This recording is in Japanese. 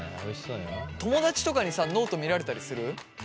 友だちとかにさノート見られたりする？